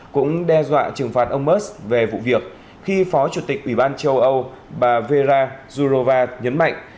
cũng đe dọa trừng phạt ông musk về vụ việc khi phó chủ tịch ủy ban châu âu bà vera zurova nhấn mạnh